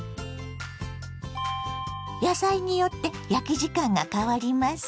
野菜によって焼き時間が変わります。